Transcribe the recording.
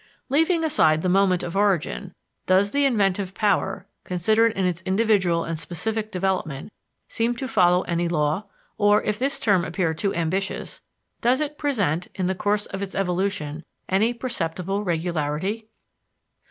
Leaving aside the moment of origin, does the inventive power, considered in its individual and specific development, seem to follow any law, or, if this term appear too ambitious, does it present, in the course of its evolution, any perceptible regularity?